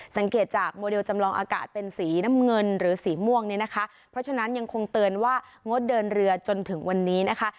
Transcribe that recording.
สังเกตจากโมเดลจำลองอากาศเป็นสีน้ำเงินหรือสีม่วงเนี่ยนะคะเพราะฉะนั้นยังคงเตือนว่างดเดินเรือจนถึงวันนี้นะคะ